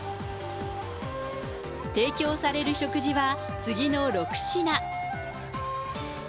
提供される食事は次の６品。